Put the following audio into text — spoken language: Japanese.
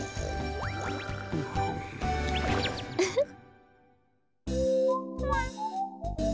ウフッ。